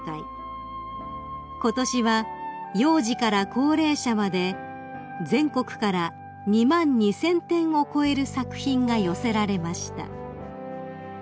［ことしは幼児から高齢者まで全国から２万２，０００点を超える作品が寄せられました］